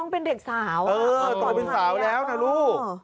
เป็นเด็กสาวโตเป็นสาวแล้วนะลูก